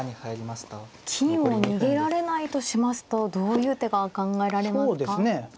金を逃げられないとしますとどういう手が考えられますか。